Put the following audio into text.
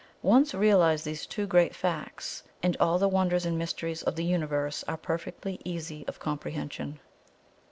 Once realize these two great facts, and all the wonders and mysteries of the Universe are perfectly easy of comprehension.